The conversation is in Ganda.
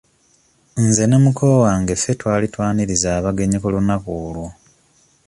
Nze ne muko wange ffe twali twaniriza abagenyi ku lunaku olwo.